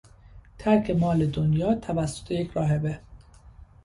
ترک مال دنیا توسط یک راهبه